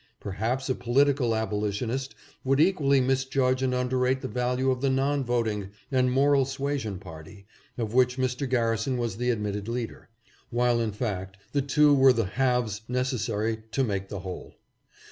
Perhaps a political aboli THE ANTI SLAVERY MOVEMENT. 625 tionist would equally misjudge and underrate the value of the non voting and moral suasion party, of which Mr. Garrison was the admitted leader ; while in fact the two were the halves necessary to make the whole.